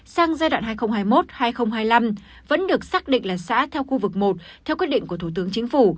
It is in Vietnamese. sang giai đoạn hai nghìn hai mươi một hai nghìn hai mươi năm vẫn được xác định là xã theo khu vực một theo quyết định của thủ tướng chính phủ